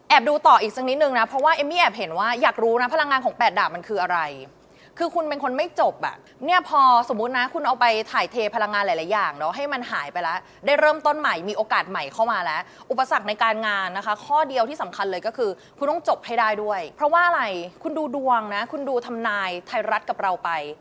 ดูต่ออีกสักนิดนึงนะเพราะว่าเอมมี่แอบเห็นว่าอยากรู้นะพลังงานของแปดดาบมันคืออะไรคือคุณเป็นคนไม่จบอ่ะเนี่ยพอสมมุตินะคุณเอาไปถ่ายเทพลังงานหลายหลายอย่างเนอะให้มันหายไปแล้วได้เริ่มต้นใหม่มีโอกาสใหม่เข้ามาแล้วอุปสรรคในการงานนะคะข้อเดียวที่สำคัญเลยก็คือคุณต้องจบให้ได้ด้วยเพราะว่าอะไรคุณดูดวงนะคุณดูทำนายไทยรัฐกับเราไป